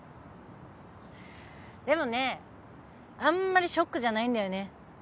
でもねあんまりショックじゃないんだよね。